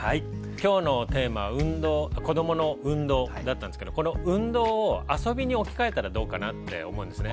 今日のテーマ「子どもの運動」だったんですけどこの運動を遊びに置きかえたらどうかなって思うんですね。